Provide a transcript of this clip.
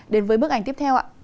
đến với bức ảnh tiếp theo ạ